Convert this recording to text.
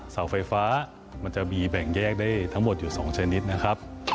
เสาไฟฟ้ามันจะมีแบ่งแยกได้ทั้งหมดอยู่๒ชนิดนะครับ